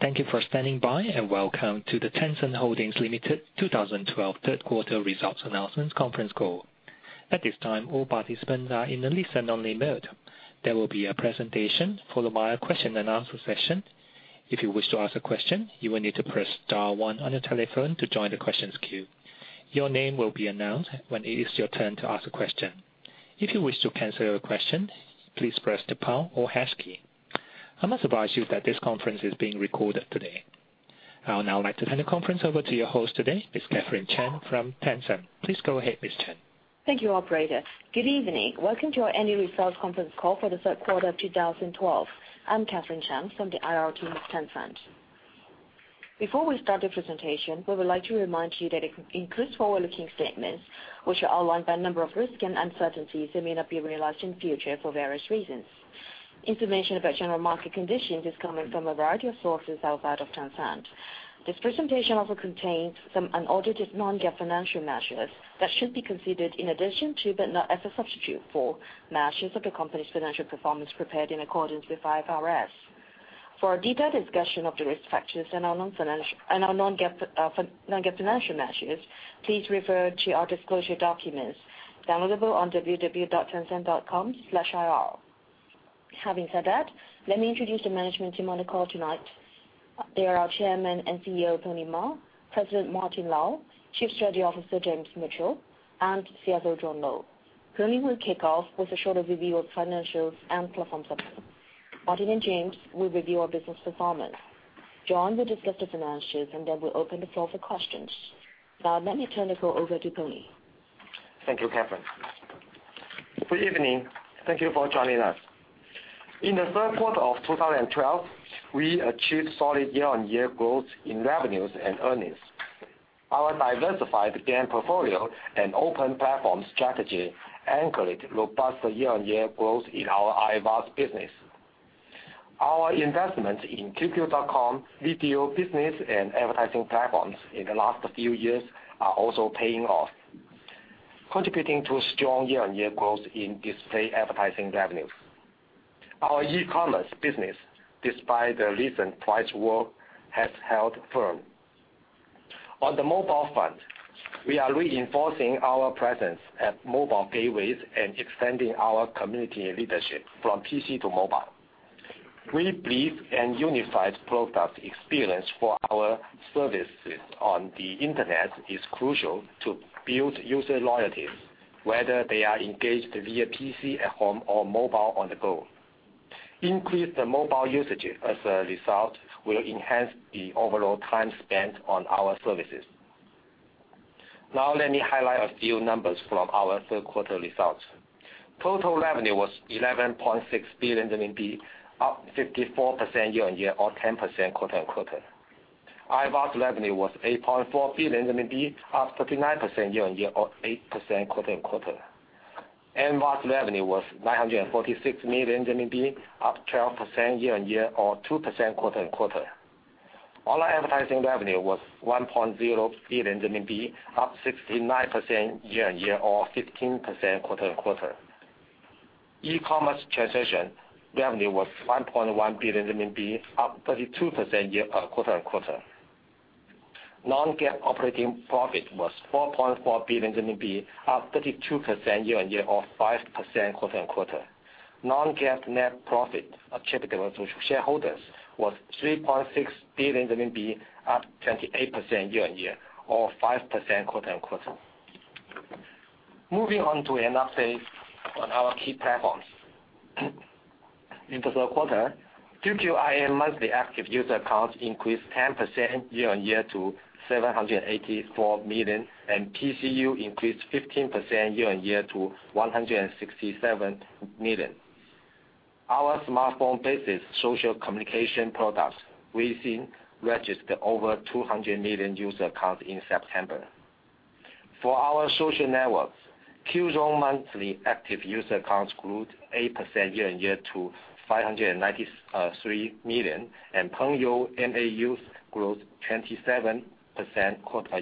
Thank you for standing by, and welcome to the Tencent Holdings Limited 2012 third quarter results announcement conference call. At this time, all participants are in a listen-only mode. There will be a presentation followed by a question-and-answer session. If you wish to ask a question, you will need to press star one on your telephone to join the questions queue. Your name will be announced when it is your turn to ask a question. If you wish to cancel your question, please press the pound or hash key. I must advise you that this conference is being recorded today. I would now like to turn the conference over to your host today, Ms. Catherine Chen from Tencent. Please go ahead, Ms. Chen. Thank you, operator. Good evening. Welcome to our annual results conference call for the third quarter of 2012. I am Catherine Chen from the IR team of Tencent. Before we start the presentation, we would like to remind you that it includes forward-looking statements, which are outlined by a number of risks and uncertainties that may not be realized in future for various reasons. Information about general market conditions is coming from a variety of sources outside of Tencent. This presentation also contains some unaudited non-GAAP financial measures that should be considered in addition to, but not as a substitute for, measures of the company's financial performance prepared in accordance with IFRS. For a detailed discussion of the risk factors and our non-GAAP financial measures, please refer to our disclosure documents downloadable on www.tencent.com/ir. Having said that, let me introduce the management team on the call tonight. They are our Chairman and CEO, Ma Huateng, President Martin Lau, Chief Strategy Officer James Mitchell, and CFO John Lo. Pony will kick off with a short review of financials and platform updates. Martin and James will review our business performance. John will discuss the financials, and then we will open the floor for questions. Now let me turn the call over to Pony. Thank you, Catherine. Good evening. Thank you for joining us. In the third quarter of 2012, we achieved solid year-on-year growth in revenues and earnings. Our diversified game portfolio and open platform strategy anchored robust year-on-year growth in our IVAS business. Our investment in qq.com video business and advertising platforms in the last few years are also paying off, contributing to a strong year-on-year growth in display advertising revenues. Our e-commerce business, despite the recent price war, has held firm. On the mobile front, we are reinforcing our presence at mobile gateways and extending our community leadership from PC to mobile. We believe a unified product experience for our services on the Internet is crucial to build user loyalties, whether they are engaged via PC at home or mobile on the go. Increased mobile usages as a result will enhance the overall time spent on our services. Let me highlight a few numbers from our third quarter results. Total revenue was 11.6 billion RMB, up 54% year-on-year or 10% quarter-on-quarter. IVAS revenue was 8.4 billion RMB, up 39% year-on-year or 8% quarter-on-quarter. MVAS revenue was 946 million RMB, up 12% year-on-year or 2% quarter-on-quarter. Online advertising revenue was 1.0 billion RMB, up 69% year-on-year or 15% quarter-on-quarter. E-commerce transaction revenue was 1.1 billion RMB, up 32% quarter-on-quarter. Non-GAAP operating profit was 4.4 billion RMB, up 32% year-on-year or 5% quarter-on-quarter. Non-GAAP net profit attributable to shareholders was 3.6 billion RMB, up 28% year-on-year or 5% quarter-on-quarter. Moving on to an update on our key platforms. In the third quarter, QQ monthly active user accounts increased 10% year-on-year to 784 million, and PCU increased 15% year-on-year to 167 million. Our smartphone-based social communication products Weixin registered over 200 million user accounts in September. For our social networks, Qzone monthly active user accounts grew 8% year-on-year to 593 million, and Pengyou MAUs grew 27%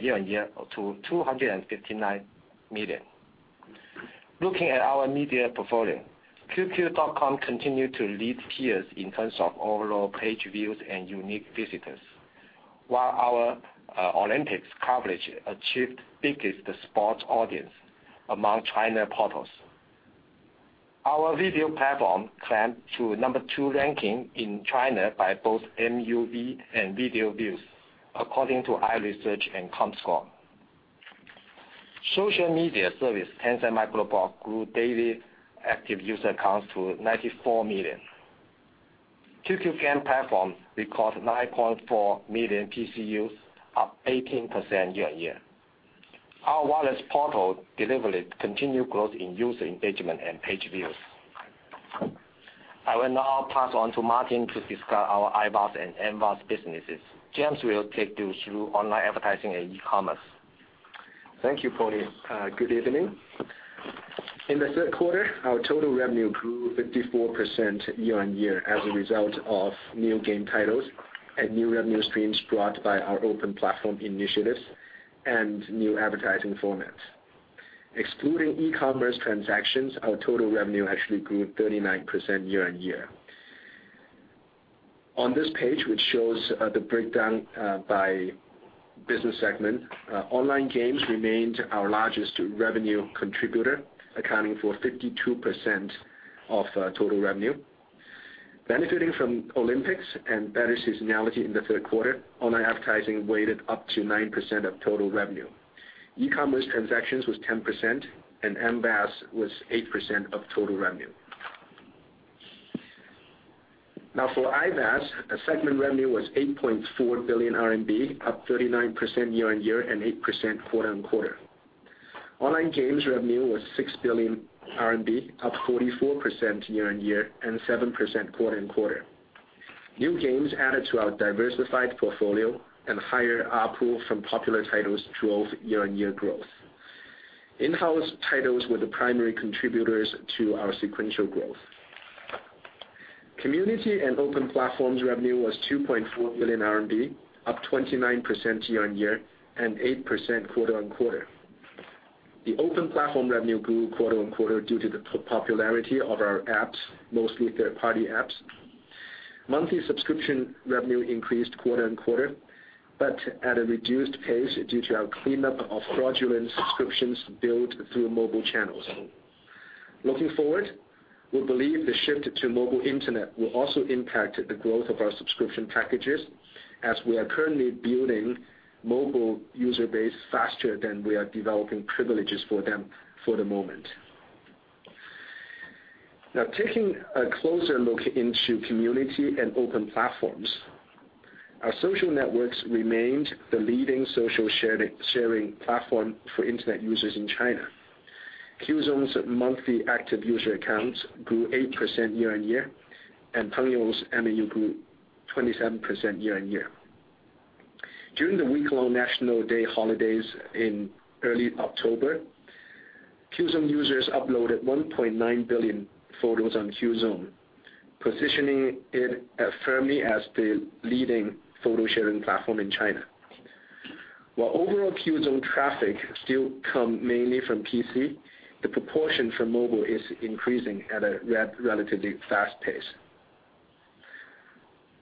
year-on-year to 259 million. Looking at our media portfolio, QQ.com continued to lead peers in terms of overall page views and unique visitors, while our Olympics coverage achieved the biggest sports audience among China portals. Our video platform climbed to number two ranking in China by both MUV and video views, according to iResearch and comScore. Social media service Tencent Weibo grew daily active user accounts to 94 million. QQ Games platform records 9.4 million PCUs, up 18% year-on-year. Our wireless portal delivery continued growth in user engagement and page views. I will now pass on to Martin to discuss our IVAS and MVAS businesses. James will take you through online advertising and e-commerce. Thank you, Pony. Good evening. In the third quarter, our total revenue grew 54% year-on-year as a result of new game titles and new revenue streams brought by our open platform initiatives and new advertising formats. Excluding e-commerce transactions, our total revenue actually grew 39% year-on-year. On this page, which shows the breakdown by business segment, online games remained our largest revenue contributor, accounting for 52% of total revenue. Benefiting from Olympics and better seasonality in the third quarter, online advertising weighted up to 9% of total revenue. E-commerce transactions was 10%, and MVAS was 8% of total revenue. For IVAS, the segment revenue was 8.4 billion RMB, up 39% year-on-year and 8% quarter-on-quarter. Online games revenue was 6 billion RMB, up 44% year-on-year and 7% quarter-on-quarter. New games added to our diversified portfolio and higher ARPU from popular titles drove year-on-year growth. In-house titles were the primary contributors to our sequential growth. Community and open platforms revenue was 2.4 billion RMB, up 29% year-on-year and 8% quarter-on-quarter. The open platform revenue grew quarter-on-quarter due to the popularity of our apps, mostly third-party apps. Monthly subscription revenue increased quarter-on-quarter, but at a reduced pace due to our cleanup of fraudulent subscriptions built through mobile channels. Looking forward, we believe the shift to mobile internet will also impact the growth of our subscription packages, as we are currently building mobile user base faster than we are developing privileges for them for the moment. Taking a closer look into community and open platforms, our social networks remained the leading social sharing platform for internet users in China. Qzone's monthly active user accounts grew 8% year-on-year, and Pengyou's MAU grew 27% year-on-year. During the week-long National Day holidays in early October, Qzone users uploaded 1.9 billion photos on Qzone, positioning it firmly as the leading photo-sharing platform in China. While overall Qzone traffic still come mainly from PC, the proportion for mobile is increasing at a relatively fast pace.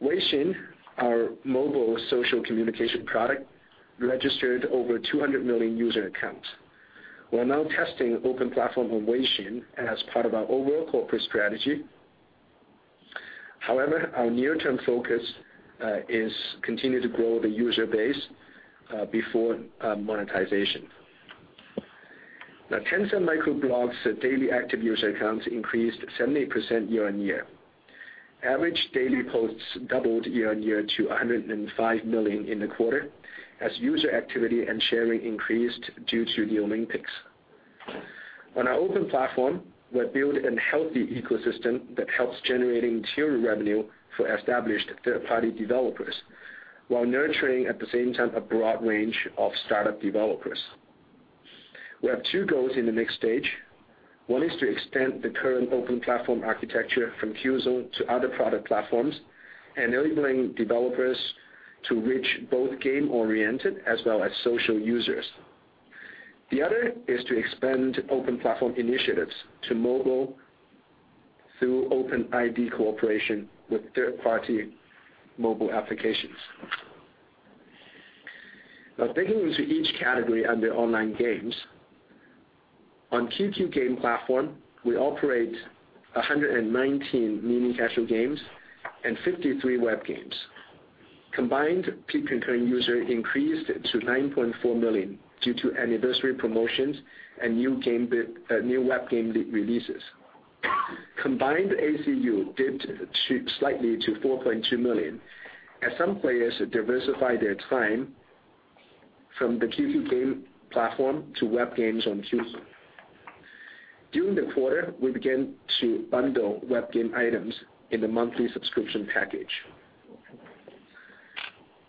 Weixin, our mobile social communication product, registered over 200 million user accounts. We are now testing open platform on Weixin as part of our overall corporate strategy. Our near-term focus is continue to grow the user base before monetization. Tencent Weibo's daily active user accounts increased 70% year-on-year. Average daily posts doubled year-on-year to 105 million in the quarter, as user activity and sharing increased due to the Olympics. On our open platform, we have built a healthy ecosystem that helps generating tier revenue for established third-party developers while nurturing at the same time a broad range of startup developers. We have two goals in the next stage. One is to extend the current open platform architecture from Qzone to other product platforms and enabling developers to reach both game-oriented as well as social users. The other is to expand open platform initiatives to mobile through OpenID cooperation with third-party mobile applications. Digging into each category under online games. On QQ Games platform, we operate 119 mini casual games and 53 web games. Combined peak concurrent user increased to 9.4 million due to anniversary promotions and new web game releases. Combined ACU dipped slightly to 4.2 million, as some players diversify their time from the QQ Games platform to web games on Qzone. During the quarter, we began to bundle web game items in the monthly subscription package.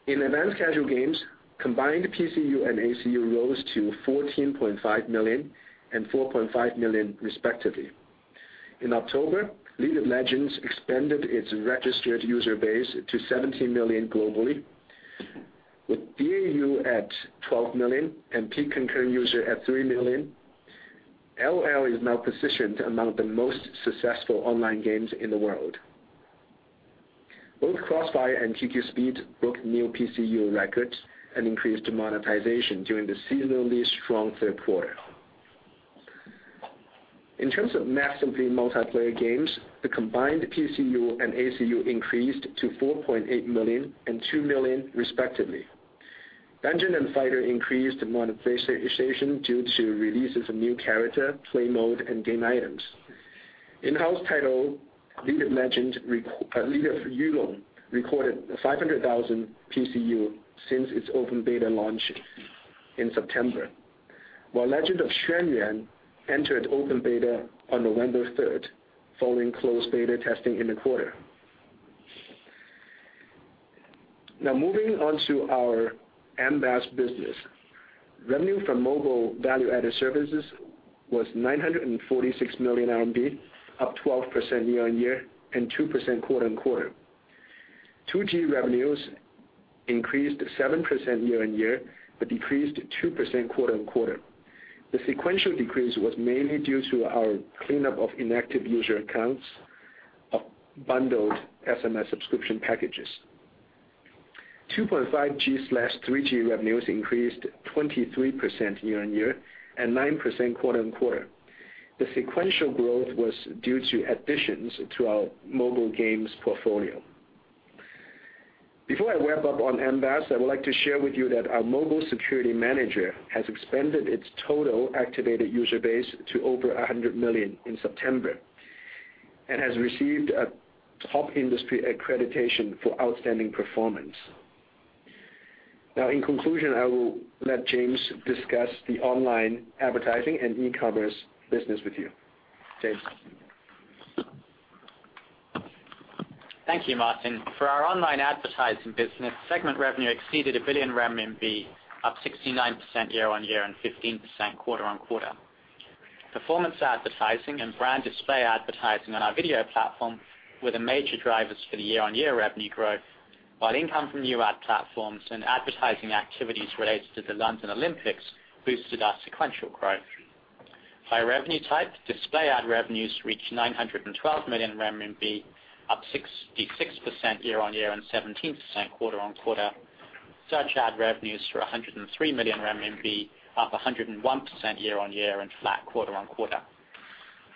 In advanced casual games, combined PCU and ACU rose to 14.5 million and 4.5 million respectively. In October, League of Legends expanded its registered user base to 17 million globally. With DAU at 12 million and peak concurrent user at three million, LOL is now positioned among the most successful online games in the world. Both CrossFire and QQ Speed broke new PCU records and increased monetization during the seasonally strong third quarter. In terms of massively multiplayer games, the combined PCU and ACU increased to 4.8 million and two million respectively. Dungeon & Fighter increased monetization due to releases of new character, play mode, and game items. In-house title, Yulong Zaitian, recorded 500,000 PCU since its open beta launch in September, while Legend of Xuan Yuan entered open beta on November 3rd, following closed beta testing in the quarter. Moving on to our MVAS business. Revenue from mobile value-added services was 946 million RMB, up 12% year-on-year and 2% quarter-on-quarter. 2G revenues increased 7% year-on-year, but decreased 2% quarter-on-quarter. The sequential decrease was mainly due to our cleanup of inactive user accounts of bundled SMS subscription packages. 2.5G/3G revenues increased 23% year-on-year and 9% quarter-on-quarter. The sequential growth was due to additions to our mobile games portfolio. Before I wrap up on MVAS, I would like to share with you that our mobile security manager has expanded its total activated user base to over 100 million in September, and has received a top industry accreditation for outstanding performance. Now, in conclusion, I will let James discuss the online advertising and e-commerce business with you. James? Thank you, Martin. For our online advertising business, segment revenue exceeded 1 billion RMB, up 69% year-on-year and 15% quarter-on-quarter. Performance advertising and brand display advertising on our video platform were the major drivers for the year-on-year revenue growth. While income from new ad platforms and advertising activities related to the London Olympics boosted our sequential growth. By revenue type, display ad revenues reached 912 million RMB, up 66% year-on-year and 17% quarter-on-quarter. Search ad revenues were 103 million RMB, up 101% year-on-year and flat quarter-on-quarter.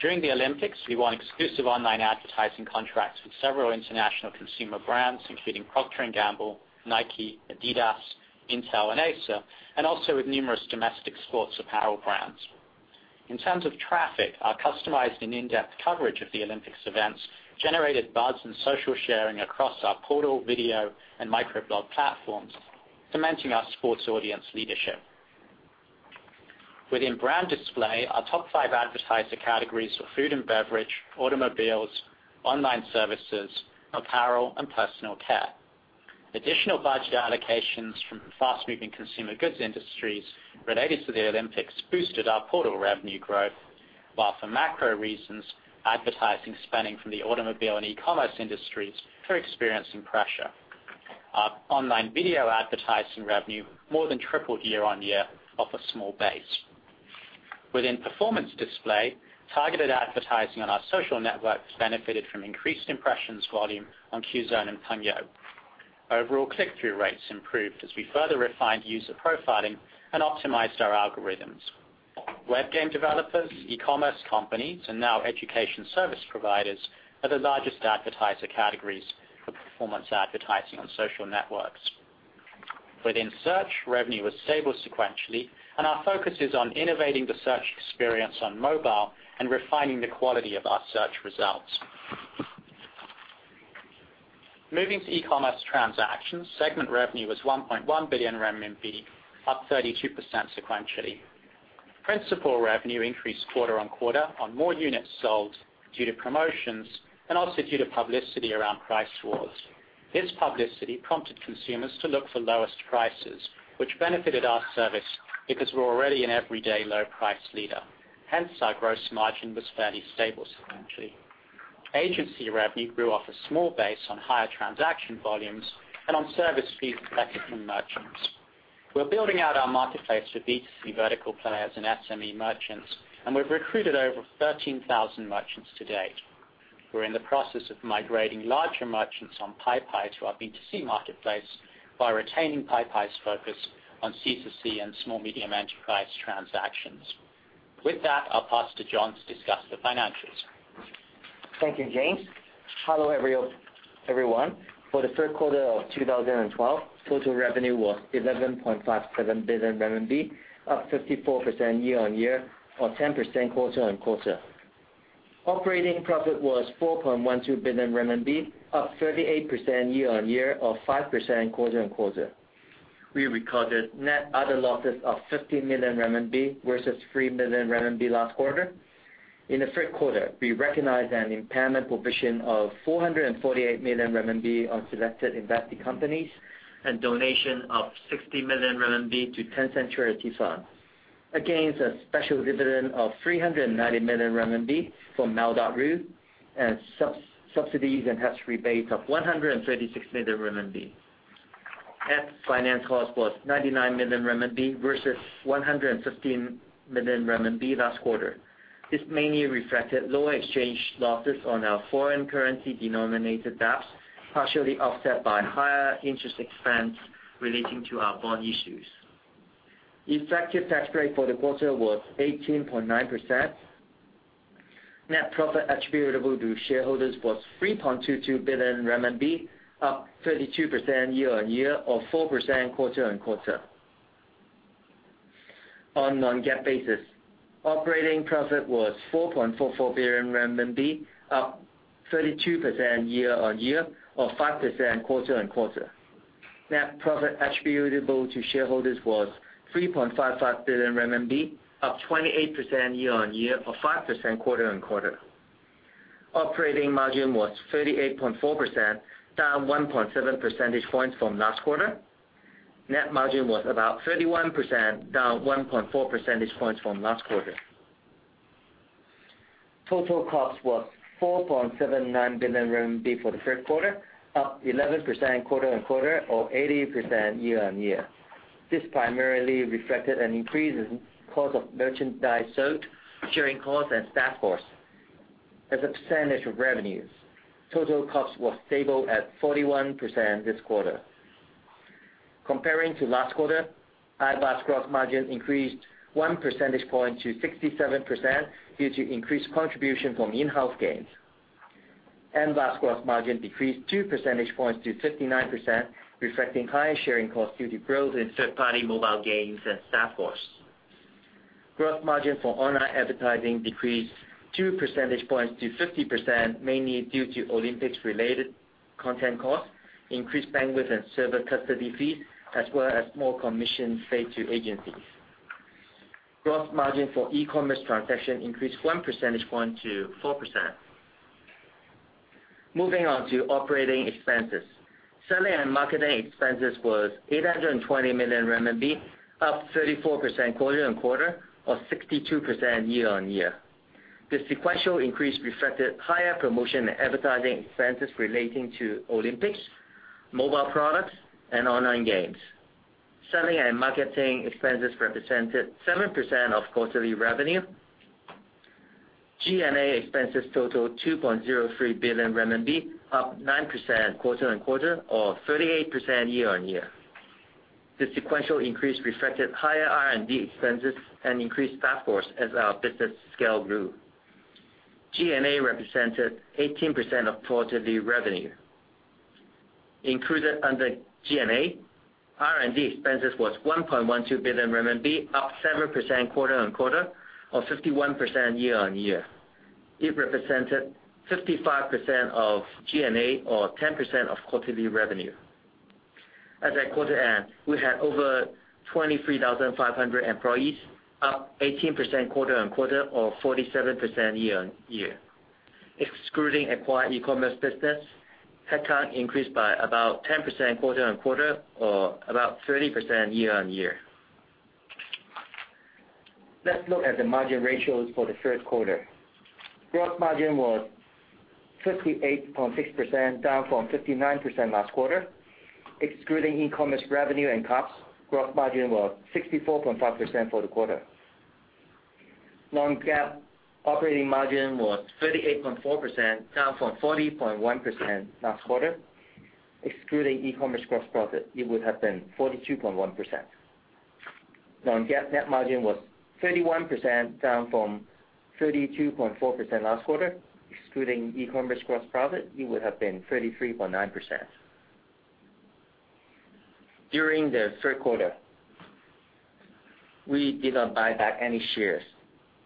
During the Olympics, we won exclusive online advertising contracts with several international consumer brands, including Procter & Gamble, Nike, Adidas, Intel, and Acer, and also with numerous domestic sports apparel brands. In terms of traffic, our customized and in-depth coverage of the Olympics events generated buzz and social sharing across our portal video and microblog platforms, cementing our sports audience leadership. Within brand display, our top five advertiser categories are food and beverage, automobiles, online services, apparel, and personal care. Additional budget allocations from fast-moving consumer goods industries related to the Olympics boosted our portal revenue growth, while for macro reasons, advertising spending from the automobile and e-commerce industries are experiencing pressure. Our online video advertising revenue more than tripled year-on-year off a small base. Within performance display, targeted advertising on our social networks benefited from increased impressions volume on Qzone and Pengyou. Overall click-through rates improved as we further refined user profiling and optimized our algorithms. Web game developers, e-commerce companies, and now education service providers, are the largest advertiser categories for performance advertising on social networks. Within search, revenue was stable sequentially, and our focus is on innovating the search experience on mobile and refining the quality of our search results. Moving to e-commerce transactions, segment revenue was 1.1 billion RMB, up 32% sequentially. Principal revenue increased quarter-on-quarter on more units sold due to promotions and also due to publicity around price wars. This publicity prompted consumers to look for lowest prices, which benefited our service because we're already an everyday low price leader. Hence, our gross margin was fairly stable sequentially. Agency revenue grew off a small base on higher transaction volumes and on service fees collected from merchants. We're building out our marketplace with B2C vertical players and SME merchants, and we've recruited over 13,000 merchants to date. We're in the process of migrating larger merchants on Paipai to our B2C marketplace by retaining Paipai's focus on C2C and small medium enterprise transactions. With that, I'll pass to John to discuss the financials. Thank you, James. Hello, everyone. For the third quarter of 2012, total revenue was 11.57 billion RMB, up 54% year-on-year or 10% quarter-on-quarter. Operating profit was 4.12 billion RMB, up 38% year-on-year or 5% quarter-on-quarter. We recorded net other losses of 15 million RMB versus 3 million RMB last quarter. In the third quarter, we recognized an impairment provision of 448 million RMB on selected invested companies and donation of 60 million RMB to Tencent Charity Foundation. Against a special dividend of 390 million RMB from Mail.ru, and subsidies and tax rebates of 136 million RMB. Net finance cost was 99 million RMB versus 115 million RMB last quarter. This mainly reflected lower exchange losses on our foreign currency denominated debts, partially offset by higher interest expense relating to our bond issues. Effective tax rate for the quarter was 18.9%. Net profit attributable to shareholders was 3.22 billion RMB, up 32% year-on-year or 4% quarter-on-quarter. On non-GAAP basis, operating profit was 4.44 billion RMB, up 32% year-on-year or 5% quarter-on-quarter. Net profit attributable to shareholders was 3.55 billion RMB, up 28% year-on-year or 5% quarter-on-quarter. Operating margin was 38.4%, down 1.7 percentage points from last quarter. Net margin was about 31%, down 1.4 percentage points from last quarter. Total cost was 4.79 billion RMB for the third quarter, up 11% quarter-on-quarter or 80% year-on-year. This primarily reflected an increase in cost of merchandise sold, sharing costs and staff costs. As a percentage of revenues, total costs were stable at 41% this quarter. Comparing to last quarter, IVAS gross margin increased one percentage point to 67% due to increased contribution from in-house games. MVAS gross margin decreased two percentage points to 59%, reflecting higher sharing costs due to growth in third-party mobile games and staff costs. Gross margin for online advertising decreased two percentage points to 50%, mainly due to Olympics related content costs, increased bandwidth and server custody fees, as well as more commission paid to agencies. Gross margin for e-commerce transaction increased one percentage point to 4%. Moving on to operating expenses. Selling and marketing expenses was 820 million RMB, up 34% quarter-on-quarter or 62% year-on-year. The sequential increase reflected higher promotion and advertising expenses relating to Olympics, mobile products and online games. Selling and marketing expenses represented 7% of quarterly revenue. G&A expenses totaled 2.03 billion RMB, up 9% quarter-on-quarter or 38% year-on-year. The sequential increase reflected higher R&D expenses and increased staff costs as our business scale grew. G&A represented 18% of quarterly revenue. Included under G&A, R&D expenses was 1.12 billion RMB, up 7% quarter-on-quarter or 51% year-on-year. It represented 55% of G&A or 10% of quarterly revenue. As at quarter end, we had over 23,500 employees, up 18% quarter-on-quarter or 47% year-on-year. Excluding acquired e-commerce business, headcount increased by about 10% quarter-on-quarter or about 30% year-on-year. Let's look at the margin ratios for the third quarter. Gross margin was 58.6%, down from 59% last quarter. Excluding e-commerce revenue and costs, gross margin was 64.5% for the quarter. Non-GAAP operating margin was 38.4%, down from 40.1% last quarter. Excluding e-commerce gross profit, it would have been 42.1%. Non-GAAP net margin was 31%, down from 32.4% last quarter. Excluding e-commerce gross profit, it would have been 33.9%. During the third quarter, we did not buy back any shares.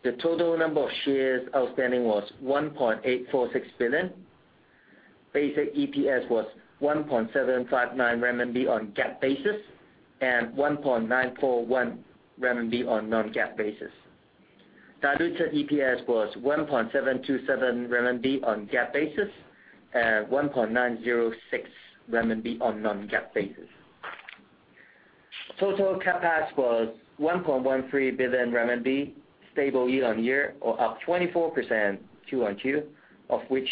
The total number of shares outstanding was 1.846 billion. Basic EPS was 1.759 RMB on GAAP basis and 1.941 RMB on non-GAAP basis. Diluted EPS was 1.727 RMB on GAAP basis and 1.906 RMB on non-GAAP basis. Total CapEx was 1.13 billion RMB, stable year-on-year or up 24% Q-on-Q, of which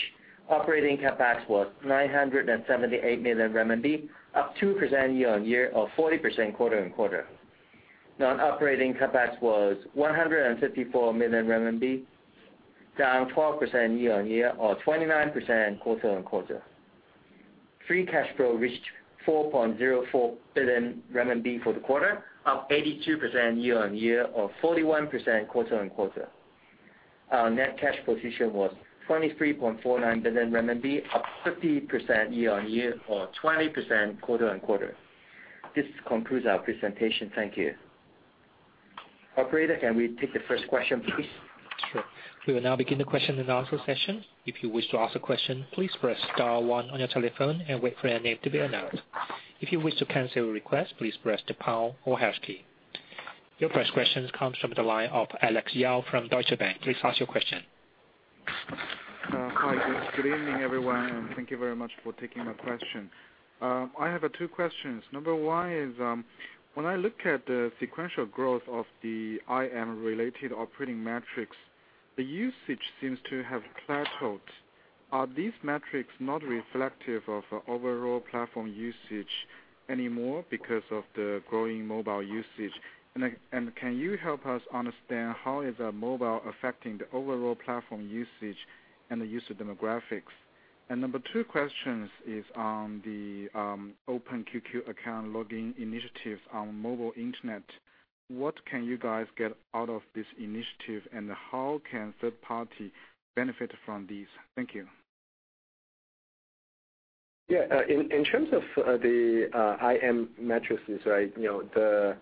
operating CapEx was 978 million RMB, up 2% year-on-year or 40% quarter-on-quarter. Non-operating CapEx was 154 million RMB, down 12% year-on-year or 29% quarter-on-quarter. Free cash flow reached 4.04 billion renminbi for the quarter, up 82% year-on-year or 41% quarter-on-quarter. Our net cash position was 23.49 billion RMB, up 50% year-on-year or 20% quarter-on-quarter. This concludes our presentation. Thank you. Operator, can we take the first question, please? Sure. We will now begin the question and answer session. If you wish to ask a question, please press star one on your telephone and wait for your name to be announced. If you wish to cancel a request, please press the pound or hash key. Your first question comes from the line of Alex Yao from Deutsche Bank. Please ask your question. Hi. Good evening, everyone, and thank you very much for taking my question. I have two questions. Number 1 is, when I look at the sequential growth of the IM related operating metrics, the usage seems to have plateaued. Are these metrics not reflective of overall platform usage anymore because of the growing mobile usage? Can you help us understand how is mobile affecting the overall platform usage and the user demographics? Number 2 question is on the open QQ account login initiative on mobile internet. What can you guys get out of this initiative, and how can third party benefit from this? Thank you. Yeah. In terms of the IM metrics, the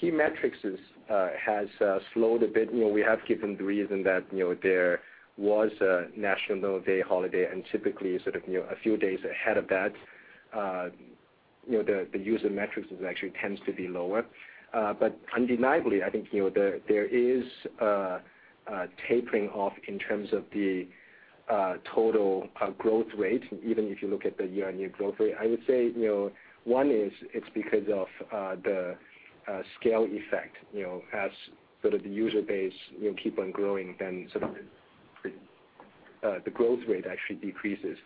key metrics has slowed a bit. We have given the reason that there was a National Day holiday, typically a few days ahead of that the user metrics actually tends to be lower. Undeniably, I think there is a tapering off in terms of the total growth rate, even if you look at the year-on-year growth rate. I would say one is it's because of the scale effect. As the user base keep on growing, then sort of the The growth rate actually decreases.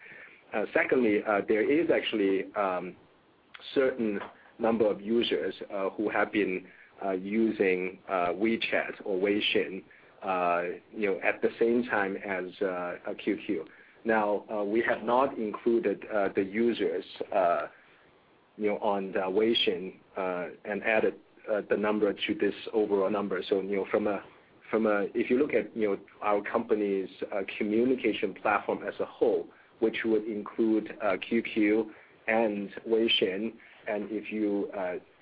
Secondly, there is actually certain number of users who have been using WeChat or Weixin at the same time as QQ. We have not included the users on the Weixin and added the number to this overall number. If you look at our company's communication platform as a whole, which would include QQ and Weixin, and if you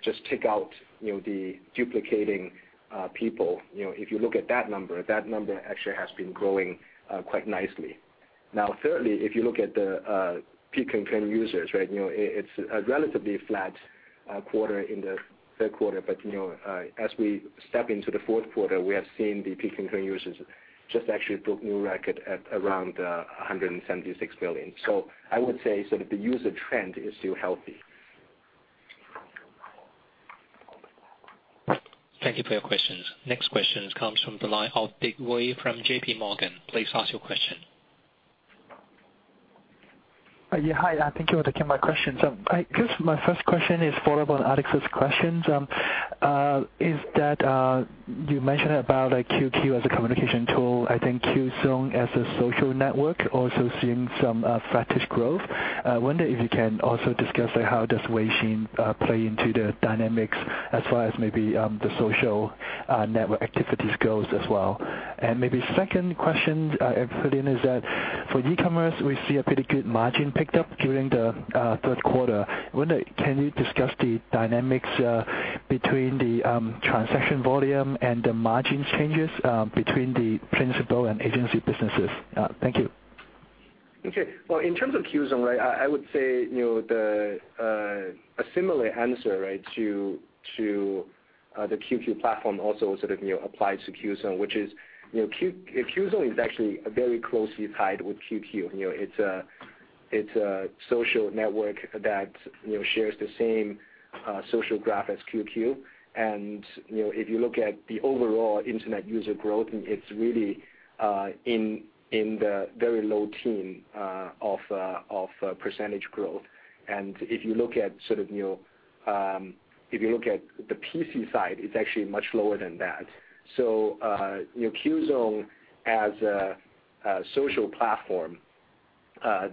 just take out the duplicating people, if you look at that number, that number actually has been growing quite nicely. Thirdly, if you look at the peak concurrent users, it's a relatively flat quarter in the third quarter, but as we step into the fourth quarter, we have seen the peak concurrent users just actually broke new record at around 176 million. I would say the user trend is still healthy. Thank you for your questions. Next question comes from the line of Dick Wei from JPMorgan. Please ask your question. Hi. Thank you for taking my questions. I guess my first question is follow-up on Alex's questions, is that you mentioned about QQ as a communication tool. I think Qzone as a social network also seeing some flattish growth. I wonder if you can also discuss how does Weixin play into the dynamics as far as maybe the social network activities goes as well. Maybe second question I put in is that for e-commerce, we see a pretty good margin picked up during the third quarter. Wonder, can you discuss the dynamics between the transaction volume and the margin changes between the principal and agency businesses? Thank you. Okay. Well, in terms of Qzone, I would say a similar answer to the QQ platform also sort of applies to Qzone, which is Qzone is actually very closely tied with QQ. It's a social network that shares the same social graph as QQ. If you look at the overall internet user growth, it's really in the very low teen of % growth. If you look at the PC side, it's actually much lower than that. Qzone as a social platform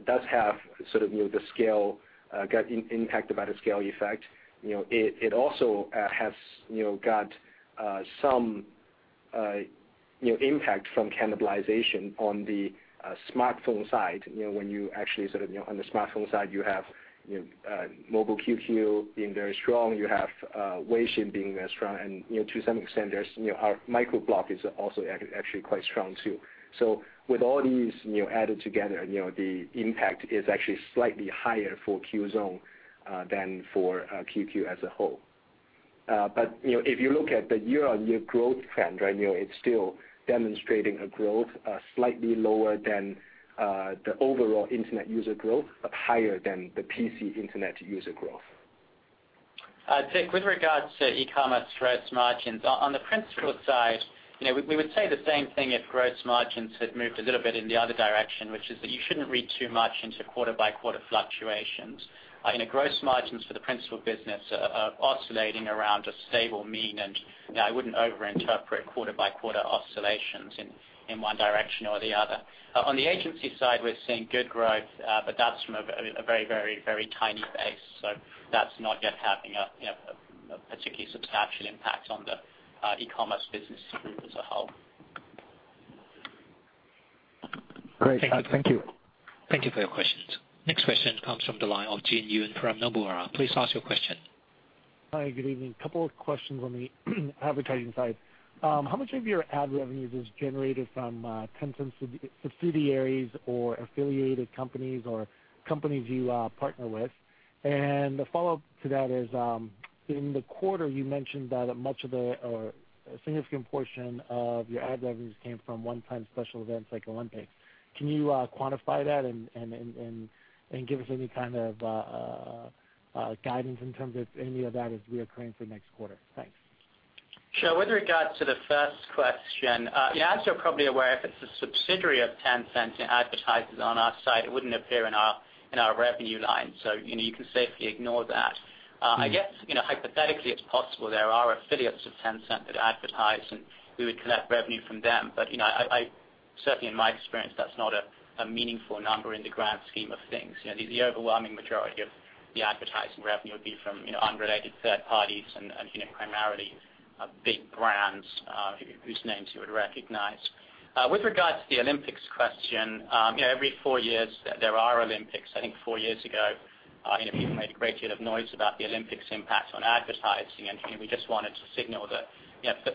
does have sort of got impacted by the scale effect. It also has got some impact from cannibalization on the smartphone side, when you actually on the smartphone side, you have Mobile QQ being very strong, you have Weixin being very strong, and to some extent, our micro blog is also actually quite strong, too. With all these added together, the impact is actually slightly higher for Qzone than for QQ as a whole. If you look at the year-on-year growth trend, it's still demonstrating a growth slightly lower than the overall internet user growth, but higher than the PC internet user growth. Dick, with regards to e-commerce gross margins, on the principal side, we would say the same thing if gross margins had moved a little bit in the other direction, which is that you shouldn't read too much into quarter-by-quarter fluctuations. The gross margins for the principal business are oscillating around a stable mean, and I wouldn't over interpret quarter-by-quarter oscillations in one direction or the other. On the agency side, we're seeing good growth, but that's from a very tiny base. That's not yet having a particularly substantial impact on the e-commerce business group as a whole. Great. Thank you. Thank you for your questions. Next question comes from the line of Gene Yoon from Nomura. Please ask your question. Hi, good evening. A couple of questions on the advertising side. How much of your ad revenues is generated from Tencent subsidiaries or affiliated companies or companies you partner with? The follow-up to that is, in the quarter, you mentioned that a significant portion of your ad revenues came from one-time special events like Olympics. Can you quantify that and give us any kind of guidance in terms of any of that is reoccurring for next quarter? Thanks. Sure. With regards to the first question, as you're probably aware, if it's a subsidiary of Tencent and advertises on our site, it wouldn't appear in our revenue line. You can safely ignore that. I guess, hypothetically, it's possible there are affiliates of Tencent that advertise, and we would collect revenue from them. Certainly in my experience, that's not a meaningful number in the grand scheme of things. The overwhelming majority of the advertising revenue would be from unrelated third parties and primarily big brands whose names you would recognize. With regards to the Olympics question, every four years there are Olympics. I think four years ago, people made a great deal of noise about the Olympics impact on advertising, and we just wanted to signal that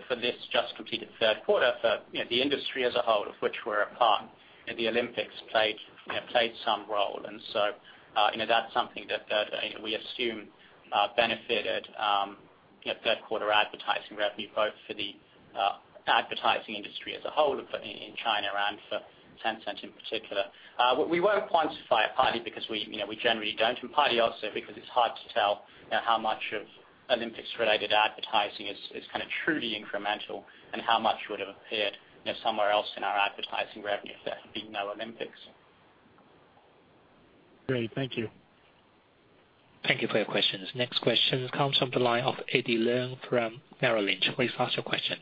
for this just completed third quarter, for the industry as a whole, of which we're a part, the Olympics played some role. That's something that we assume benefited third quarter advertising revenue, both for the advertising industry as a whole in China and for Tencent in particular. We won't quantify it, partly because we generally don't, and partly also because it's hard to tell how much of Olympics-related advertising is kind of truly incremental and how much would have appeared somewhere else in our advertising revenue if there had been no Olympics. Great. Thank you. Thank you for your questions. Next question comes from the line of Eddie Leung from Merrill Lynch. Please ask your question.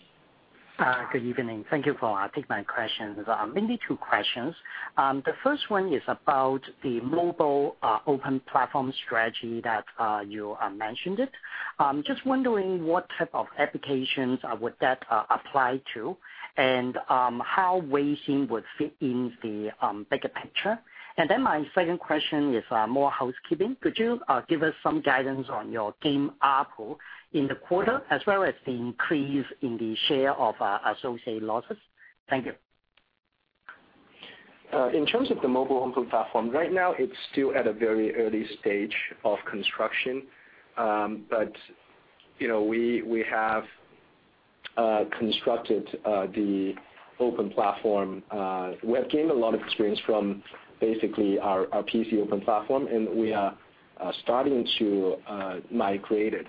Good evening. Thank you for taking my questions. Mainly two questions. The first one is about the mobile open platform strategy that you mentioned it. Just wondering what type of applications would that apply to, and how Weixin would fit in the bigger picture. My second question is more housekeeping. Could you give us some guidance on your game ARPU in the quarter, as well as the increase in the share of associated losses? Thank you. In terms of the mobile open platform, right now it's still at a very early stage of construction. We have constructed the open platform. We have gained a lot of experience from basically our PC open platform, and we are starting to migrate it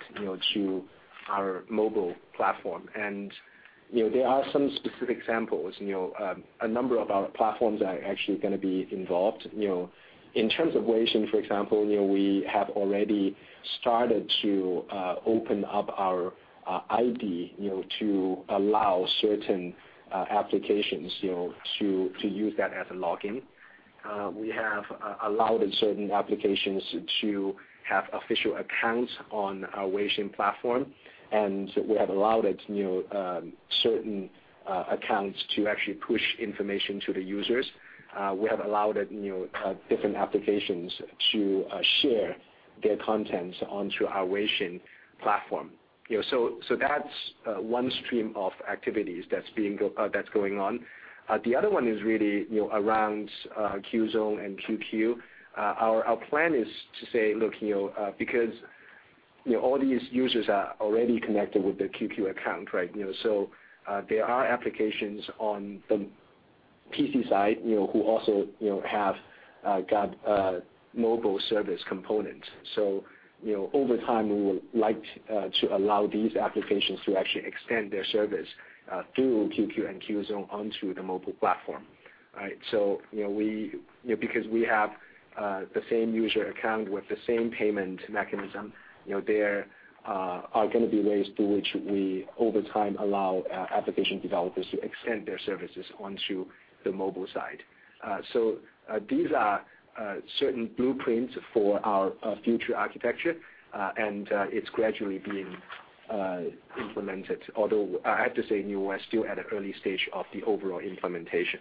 to our mobile platform. There are some specific examples. A number of our platforms are actually going to be involved. In terms of Weixin, for example, we have already started to open up our ID to allow certain applications to use that as a login. We have allowed certain applications to have official accounts on our Weixin platform, and we have allowed certain accounts to actually push information to the users. We have allowed different applications to share their contents onto our Weixin platform. That's one stream of activities that's going on. The other one is really around Qzone and QQ. Our plan is to say, look, because all these users are already connected with their QQ account, right? There are applications on the PC side who also have got a mobile service component. Over time, we would like to allow these applications to actually extend their service through QQ and Qzone onto the mobile platform. Right? Because we have the same user account with the same payment mechanism, there are going to be ways through which we, over time, allow application developers to extend their services onto the mobile side. These are certain blueprints for our future architecture, and it's gradually being implemented, although I have to say we're still at an early stage of the overall implementation.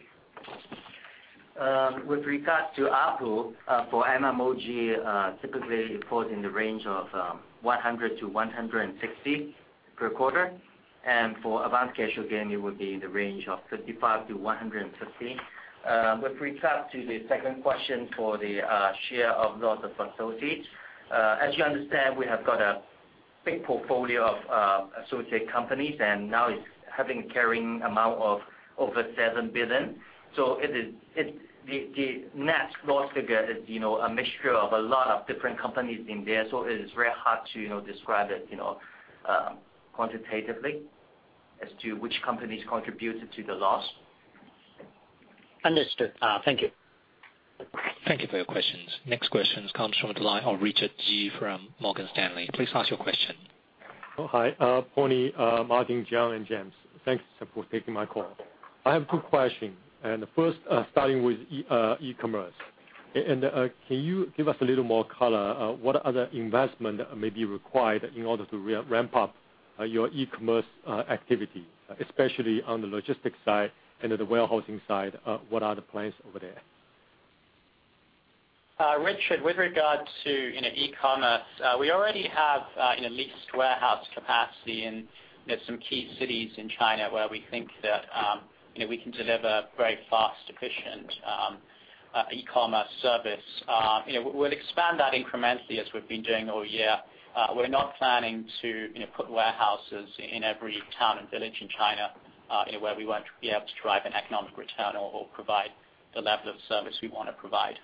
With regard to ARPU, for MMOG, typically it falls in the range of 100-160 per quarter. For advanced casual game, it would be in the range of 55-150. With regard to the second question for the share of loss of associates, as you understand, we have got a big portfolio of associate companies, and now it's having carrying amount of over 7 billion. The net loss figure is a mixture of a lot of different companies in there. It is very hard to describe it quantitatively as to which companies contributed to the loss. Understood. Thank you. Thank you for your questions. Next questions comes from the line of Richard Ji from Morgan Stanley. Please ask your question. Oh, hi. Pony, Martin, John, and James, thanks for taking my call. I have two questions, and the first starting with e-commerce. Can you give us a little more color, what other investment may be required in order to ramp up your e-commerce activity, especially on the logistics side and the warehousing side? What are the plans over there? Richard, with regard to e-commerce, we already have a leased warehouse capacity in some key cities in China where we think that we can deliver very fast, efficient e-commerce service. We'll expand that incrementally as we've been doing all year. We're not planning to put warehouses in every town and village in China, where we won't be able to drive an economic return or provide the level of service we want to provide.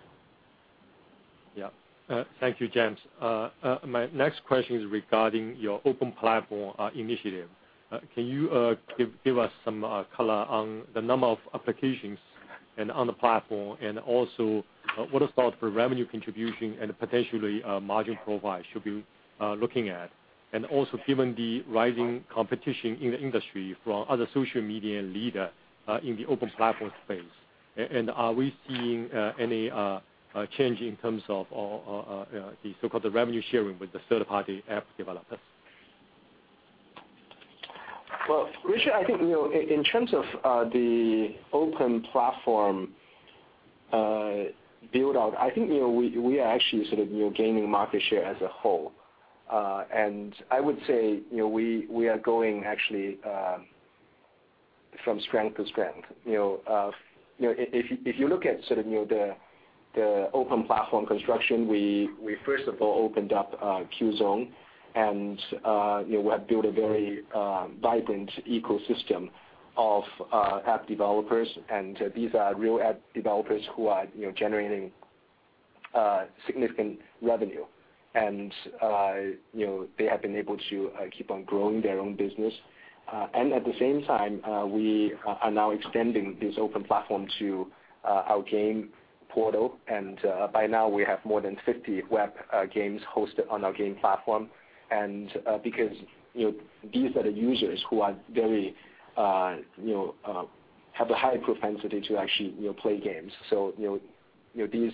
Yeah. Thank you, James. My next question is regarding your Open Platform initiative. Can you give us some color on the number of applications and on the platform and also what are the thoughts for revenue contribution and potentially margin profile should be looking at? Also given the rising competition in the industry from other social media leader in the Open Platform space, are we seeing any change in terms of the so-called the revenue sharing with the third-party app developers? Well, Richard, I think in terms of the Open Platform build-out, I think we are actually sort of gaining market share as a whole. I would say we are going actually from strength to strength. If you look at sort of the Open Platform construction, we first of all opened up QZone, and we have built a very vibrant ecosystem of app developers, and these are real app developers who are generating significant revenue. They have been able to keep on growing their own business. At the same time, we are now extending this Open Platform to our game portal. By now we have more than 50 web games hosted on our game platform. Because these are the users who have a high propensity to actually play games. These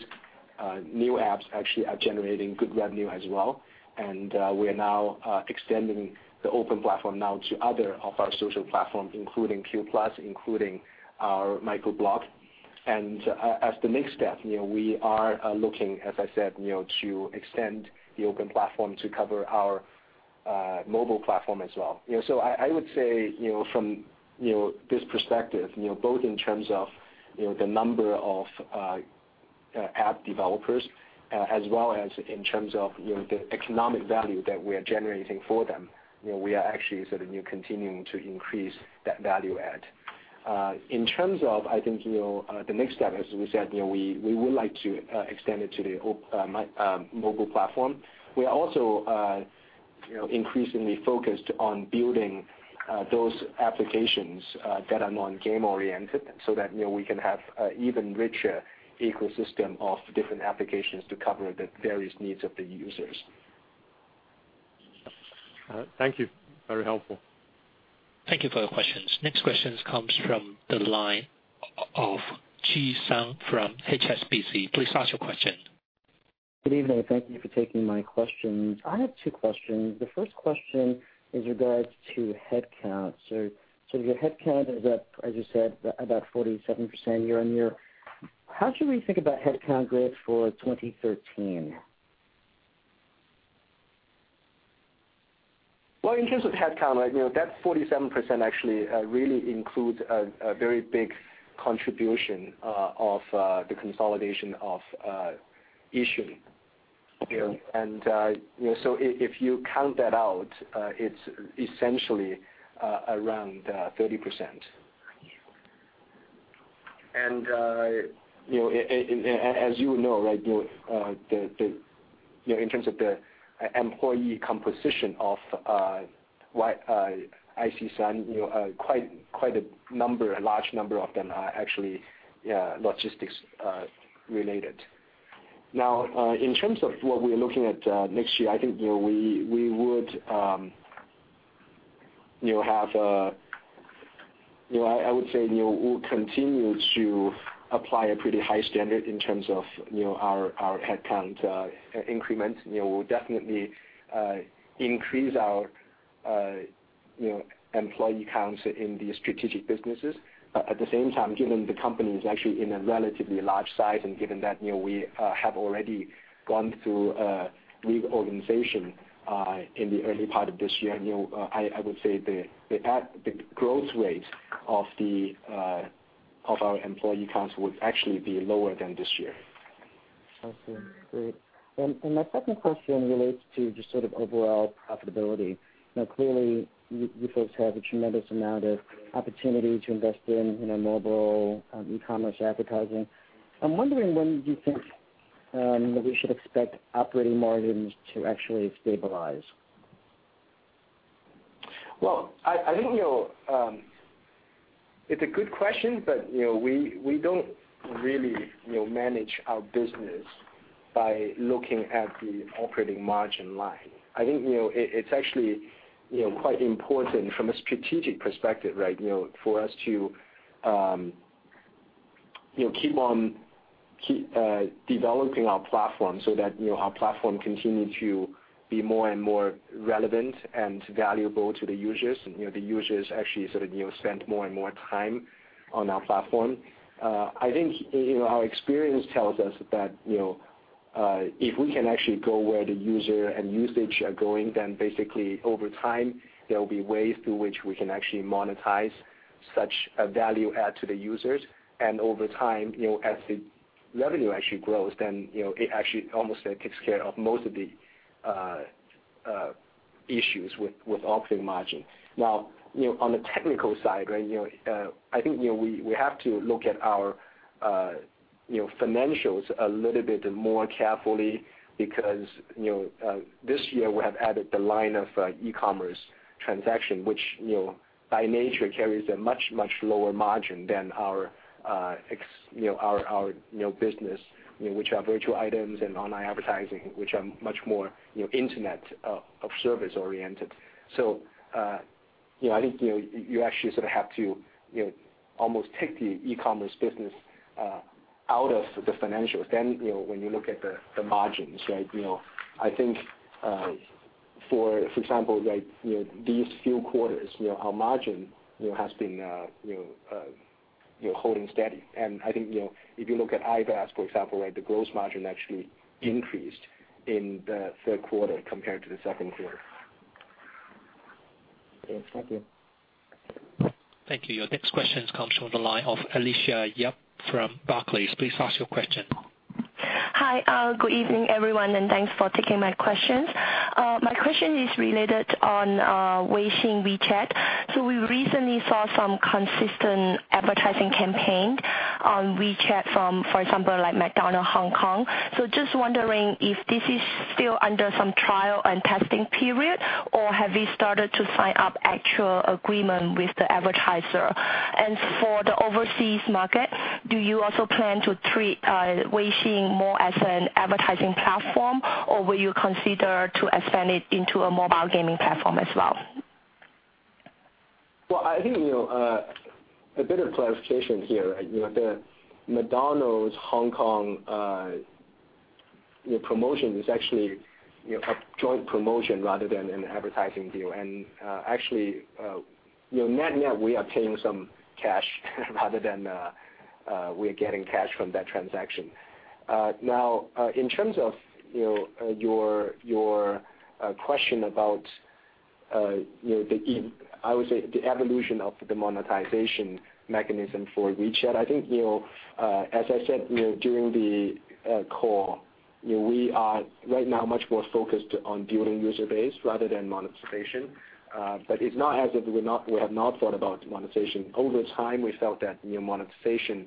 new apps actually are generating good revenue as well, and we're now extending the Open Platform now to other of our social platforms, including Q+, including our microblog. As the next step, we are looking, as I said, to extend the Open Platform to cover our mobile platform as well. I would say, from this perspective, both in terms of the number of app developers as well as in terms of the economic value that we are generating for them, we are actually sort of continuing to increase that value add. In terms of, I think, the next step, as we said, we would like to extend it to the mobile platform. We are also increasingly focused on building those applications that are more game oriented, so that we can have even richer ecosystem of different applications to cover the various needs of the users. All right. Thank you. Very helpful. Thank you for your questions. Next questions comes from the line of Qi Sun from HSBC. Please ask your question. Good evening. Thank you for taking my questions. I have two questions. The first question is regards to headcount. Your headcount is up, as you said, about 47% year-on-year. How should we think about headcount growth for 2013? Well, in terms of headcount, that 47% actually really includes a very big contribution of the consolidation of Yixun. Okay. If you count that out, it's essentially around 30%. As you know, in terms of the employee composition of Yixun, quite a large number of them are actually logistics related. In terms of what we're looking at next year, I would say we'll continue to apply a pretty high standard in terms of our headcount increments. We'll definitely increase our employee counts in the strategic businesses. At the same time, given the company is actually in a relatively large size, and given that we have already gone through a reorganization in the early part of this year, I would say the growth rate of our employee counts would actually be lower than this year. Okay, great. My second question relates to just sort of overall profitability. Clearly, you folks have a tremendous amount of opportunity to invest in mobile, e-commerce, advertising. I'm wondering when you think that we should expect operating margins to actually stabilize? I think it's a good question, but we don't really manage our business by looking at the operating margin line. I think it's actually quite important from a strategic perspective, for us to keep developing our platform so that our platform continue to be more and more relevant and valuable to the users. The users actually sort of spend more and more time on our platform. I think our experience tells us that if we can actually go where the user and usage are going, then basically over time, there will be ways through which we can actually monetize such a value add to the users. Over time, as the revenue actually grows, then it actually almost takes care of most of the issues with operating margin. On the technical side, I think we have to look at our financials a little bit more carefully because this year we have added the line of e-commerce transaction, which by nature carries a much, much lower margin than our business, which are virtual items and online advertising, which are much more Internet of service oriented. I think you actually sort of have to almost take the e-commerce business out of the financials, then when you look at the margins. I think, for example, these few quarters, our margin has been holding steady. I think, if you look at IVAS, for example, the gross margin actually increased in the third quarter compared to the second quarter. Okay. Thank you. Thank you. Your next question comes from the line of Alicia Yap from Barclays. Please ask your question. Hi. Good evening, everyone, and thanks for taking my questions. My question is related on Weixin WeChat. We recently saw some consistent advertising campaign on WeChat from, for example, McDonald's Hong Kong. Just wondering if this is still under some trial and testing period, or have you started to sign up actual agreement with the advertiser? For the overseas market, do you also plan to treat Weixin more as an advertising platform, or will you consider to expand it into a mobile gaming platform as well? Well, I think, a bit of clarification here. The McDonald's Hong Kong promotion is actually a joint promotion rather than an advertising deal. Actually, net-net, we obtain some cash rather than we're getting cash from that transaction. In terms of your question about the, I would say, the evolution of the monetization mechanism for WeChat, I think as I said during the call, we are right now much more focused on building user base rather than monetization. It's not as if we have not thought about monetization. Over time, we felt that monetization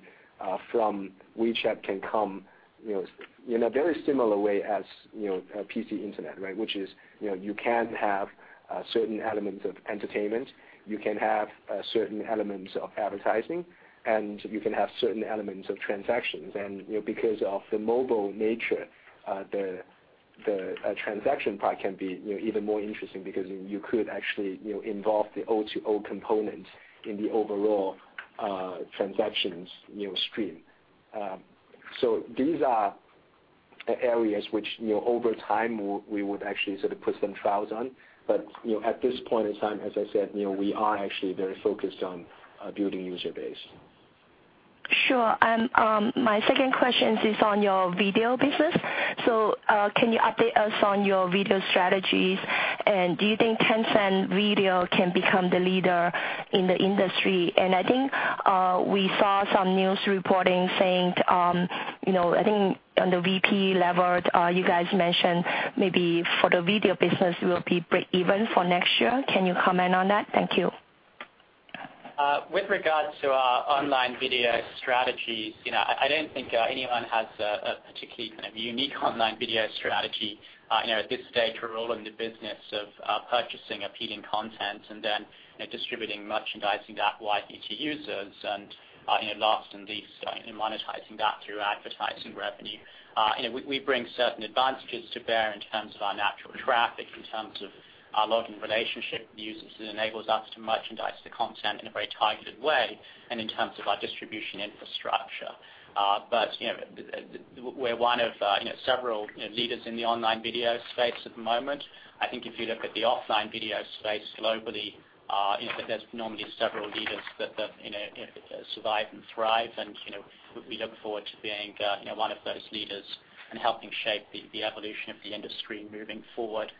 from WeChat can come in a very similar way as PC Internet, right? You can have certain elements of entertainment, you can have certain elements of advertising, and you can have certain elements of transactions. Because of the mobile nature, the transaction part can be even more interesting because you could actually involve the O2O component in the overall transactions stream. These are areas which, over time, we would actually sort of put some trials on. At this point in time, as I said, we are actually very focused on building user base. Sure. My second question is on your video business. Can you update us on your video strategies, and do you think Tencent Video can become the leader in the industry? I think we saw some news reporting saying, I think on the VP level, you guys mentioned maybe for the video business will be breakeven for next year. Can you comment on that? Thank you. With regards to our online video strategies, I don't think anyone has a particularly kind of unique online video strategy. At this stage, we're all in the business of purchasing appealing content and then distributing, merchandising that widely to users. Last in this, monetizing that through advertising revenue. We bring certain advantages to bear in terms of our natural traffic, in terms of our login relationship with users that enables us to merchandise the content in a very targeted way, and in terms of our distribution infrastructure. We're one of several leaders in the online video space at the moment. I think if you look at the offline video space globally, there's normally several leaders that survive and thrive, and we look forward to being one of those leaders and helping shape the evolution of the industry moving forward.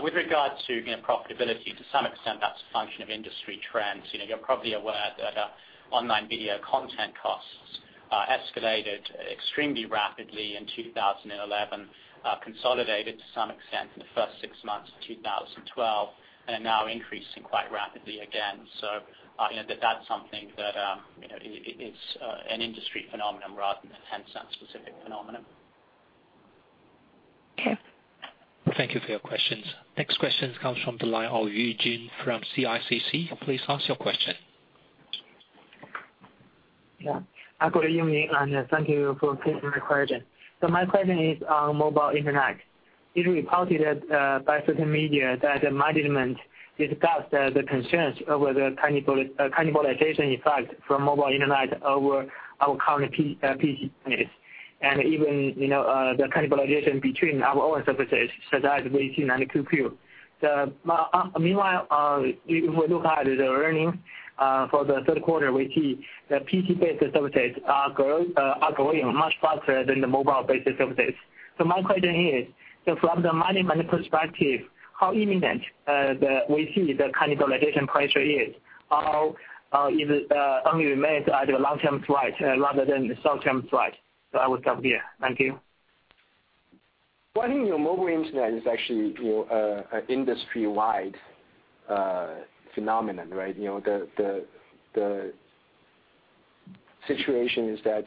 With regards to profitability, to some extent, that's a function of industry trends. You're probably aware that online video content costs escalated extremely rapidly in 2011, consolidated to some extent in the first six months of 2012, and are now increasing quite rapidly again. That's something that is an industry phenomenon rather than a Tencent specific phenomenon. Okay. Thank you for your questions. Next question comes from the line of Jin Yu from CICC. Please ask your question. Good evening, and thank you for taking my question. My question is on mobile Internet. It reported by certain media that management discussed the concerns over the cannibalization effect from mobile Internet over our current PC base, and even the cannibalization between our own services such as Weixin and QQ. Meanwhile, if we look at the earnings for the third quarter, we see the PC-based services are growing much faster than the mobile-based services. My question is, so from the management perspective, how imminent we see the cannibalization pressure is? Or it only remains as a long-term threat rather than a short-term threat? I will stop here. Thank you. Well, I think mobile Internet is actually an industry-wide phenomenon, right? The situation is that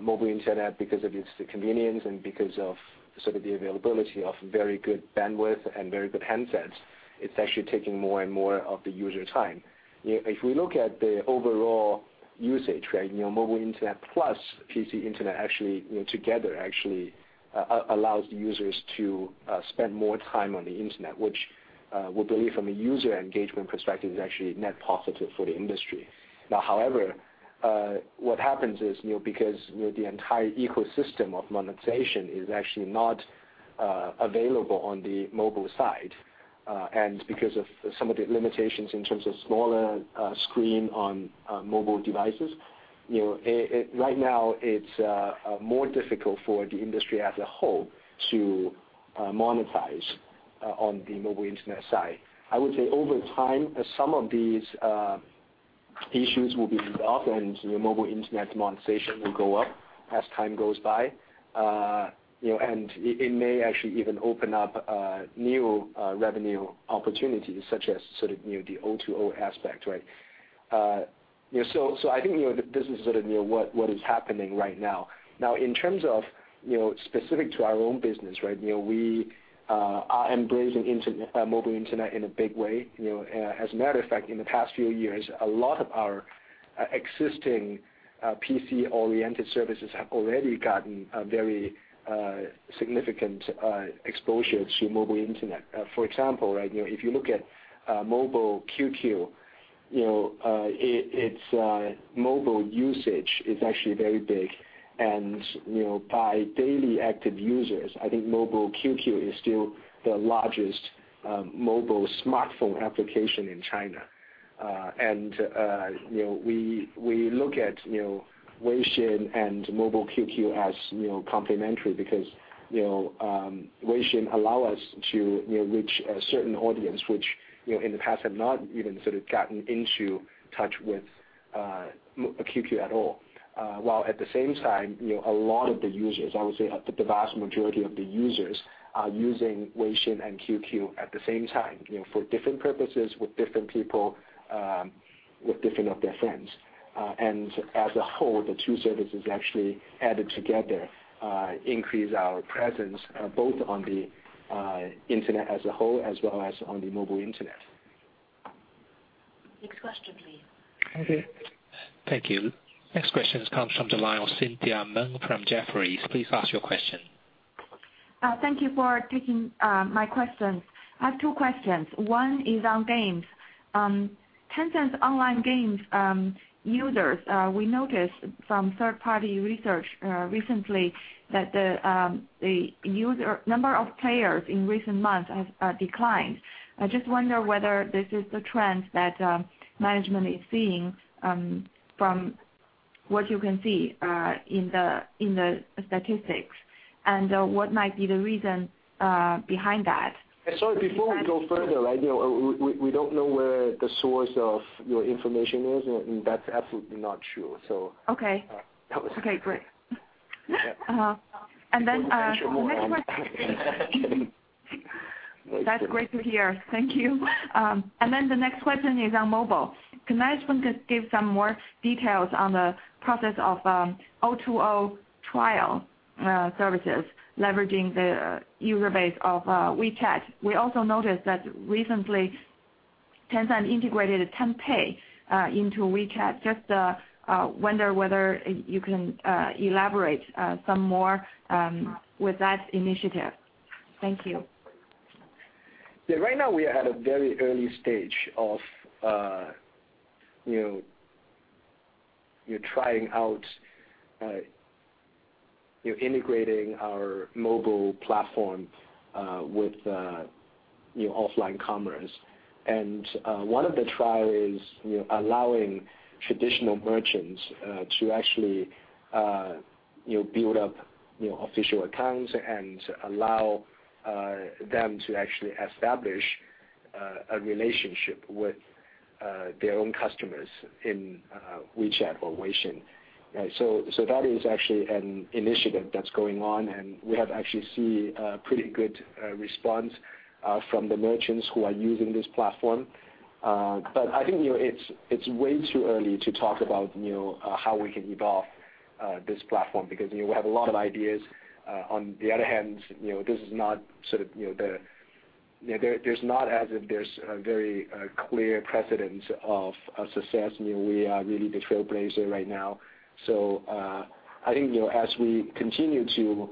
mobile Internet, because of its convenience and because of sort of the availability of very good bandwidth and very good handsets, it's actually taking more and more of the user time. If we look at the overall usage, mobile Internet plus PC Internet together actually allows users to spend more time on the Internet, which we believe from a user engagement perspective is actually net positive for the industry. Now, however, what happens is because the entire ecosystem of monetization is actually not available on the mobile side, and because of some of the limitations in terms of smaller screen on mobile devices, right now it's more difficult for the industry as a whole to monetize on the mobile Internet side. I would say over time, some of these issues will be resolved, mobile Internet monetization will go up as time goes by. It may actually even open up new revenue opportunities, such as the O2O aspect. I think this is what is happening right now. Now, in terms of specific to our own business, we are embracing mobile Internet in a big way. As a matter of fact, in the past few years, a lot of our existing PC-oriented services have already gotten very significant exposure to mobile Internet. For example, if you look at Mobile QQ, its mobile usage is actually very big. By daily active users, I think Mobile QQ is still the largest mobile smartphone application in China. We look at Weixin and Mobile QQ as complementary because Weixin allow us to reach a certain audience, which in the past have not even gotten into touch with QQ at all. While at the same time, a lot of the users, I would say the vast majority of the users, are using Weixin and QQ at the same time for different purposes with different people, with different of their friends. As a whole, the two services actually added together increase our presence both on the internet as a whole as well as on the mobile internet. Next question, please. Okay. Thank you. Next question comes from the line of Cynthia Meng from Jefferies. Please ask your question. Thank you for taking my questions. I have two questions. One is on games. Tencent online games users, we noticed some third-party research recently that the number of players in recent months has declined. I just wonder whether this is the trend that management is seeing from what you can see in the statistics, and what might be the reason behind that? Sorry, before we go further, we don't know where the source of your information is, and that's absolutely not true. Okay. Great. Yeah. And then- We appreciate you more now. That's great to hear. Thank you. The next question is on mobile. Can management just give some more details on the process of O2O trial services leveraging the user base of WeChat? We also noticed that recently Tencent integrated Tenpay into WeChat. Just wonder whether you can elaborate some more with that initiative. Thank you. Right now, we are at a very early stage of trying out integrating our mobile platform with offline commerce. One of the trial is allowing traditional merchants to actually build up official accounts and allow them to actually establish a relationship with their own customers in WeChat or Weixin. That is actually an initiative that's going on, and we have actually seen a pretty good response from the merchants who are using this platform. I think it's way too early to talk about how we can evolve this platform because we have a lot of ideas. On the other hand, there's not as if there's a very clear precedent of success. We are really the trailblazer right now. I think as we continue to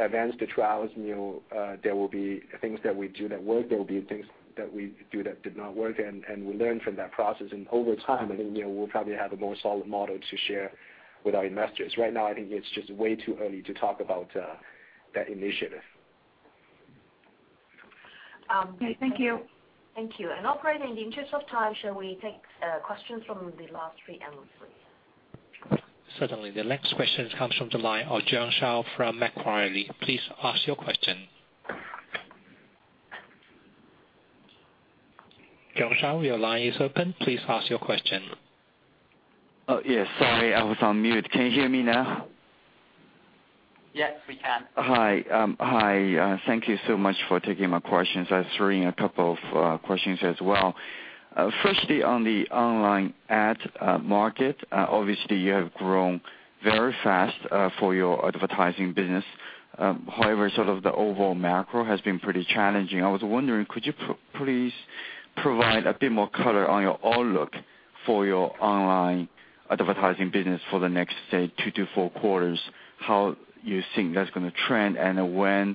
advance the trials, there will be things that we do that work, there will be things that we do that did not work, and we learn from that process. Over time, I think we'll probably have a more solid model to share with our investors. Right now, I think it's just way too early to talk about that initiative. Okay, thank you. Thank you. Operator, in the interest of time, shall we take questions from the last three analysts, please? Certainly. The next question comes from the line of Shao Jiang from Macquarie. Please ask your question. Shao Jiang, your line is open. Please ask your question. Yes, sorry, I was on mute. Can you hear me now? Yes, we can. Hi. Thank you so much for taking my questions. I have three and a couple of questions as well. Firstly, on the online ad market, obviously you have grown very fast for your advertising business. The overall macro has been pretty challenging. I was wondering, could you please provide a bit more color on your outlook for your online advertising business for the next, say, two to four quarters? How you think that's going to trend, and when you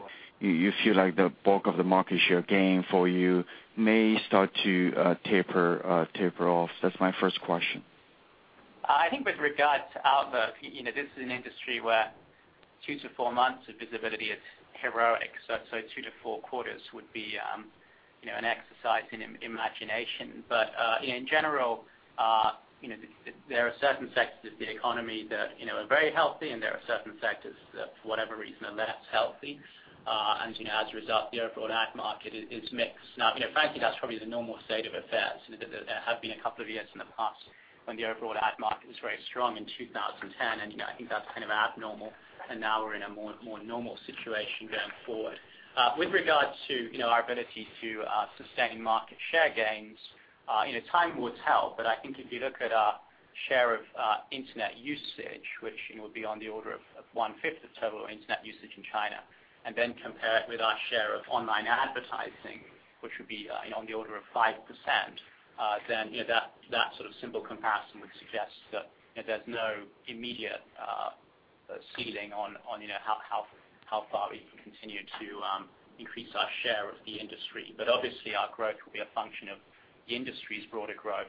feel like the bulk of the market share gain for you may start to taper off? That's my first question. I think with regards to outlook, this is an industry where two to four months of visibility is heroic. Two to four quarters would be an exercise in imagination. In general, there are certain sectors of the economy that are very healthy, and there are certain sectors that, for whatever reason, are less healthy. As a result, the overall ad market is mixed. Frankly, that's probably the normal state of affairs. There have been a couple of years in the past when the overall ad market was very strong in 2010, and I think that's kind of abnormal. Now we're in a more normal situation going forward. With regards to our ability to sustain market share gains, time will tell. I think if you look at our share of internet usage, which would be on the order of one-fifth of total internet usage in China, and then compare it with our share of online advertising, which would be on the order of 5%, then that sort of simple comparison would suggest that there's no immediate ceiling on how far we can continue to increase our share of the industry. obviously, our growth will be a function of the industry's broader growth,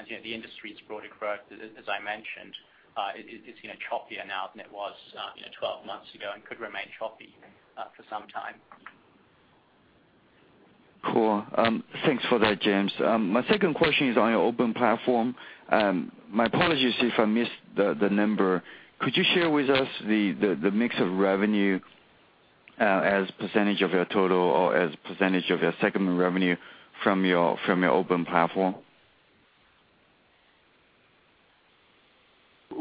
as I mentioned, is choppier now than it was 12 months ago and could remain choppy for some time. Cool. Thanks for that, James. My second question is on your open platform. My apologies if I missed the number. Could you share with us the mix of revenue as % of your total or as % of your segment revenue from your open platform?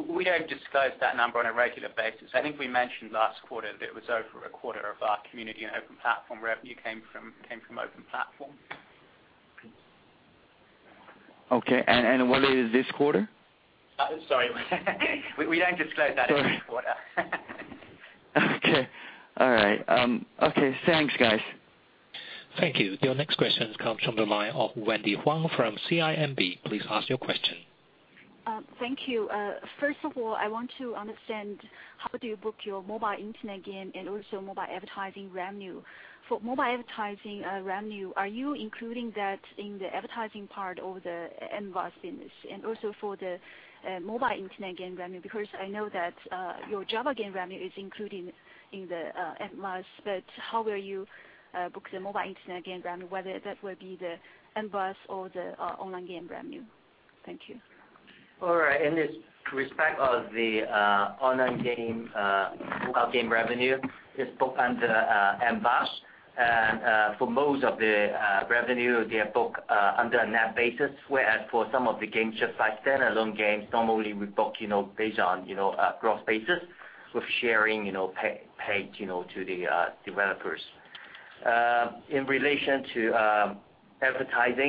We don't disclose that number on a regular basis. I think we mentioned last quarter that it was over a quarter of our community and open platform revenue came from open platform. Okay, what is this quarter? Sorry. We don't disclose that every quarter. Sorry. Okay. All right. Okay. Thanks, guys. Thank you. Your next question comes from the line of Wendy Huang from CIMB. Please ask your question. Thank you. First of all, I want to understand how do you book your mobile internet game and also mobile advertising revenue. For mobile advertising revenue, are you including that in the advertising part of the MVAS business? Also, for the mobile internet game revenue, because I know that your Java game revenue is included in the MVAS, but how will you book the mobile internet game revenue, whether that will be the MVAS or the online game revenue? Thank you. All right. In this respect of the online game revenue, it's booked under MVAS. For most of the revenue, they are booked under a net basis, whereas for some of the games, just like standalone games, normally, we book based on gross basis with sharing paid to the developers. In relation to